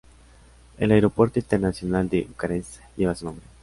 El Aeropuerto Internacional de Bucarest lleva su nombre.